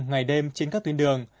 ngày đêm trên các tuyến đường